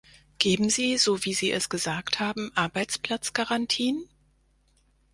Geben Sie, so wie Sie es gesagt haben, Arbeitsplatzgarantien?